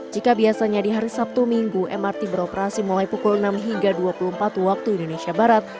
jika biasanya di hari sabtu minggu mrt beroperasi mulai pukul enam hingga dua puluh empat waktu indonesia barat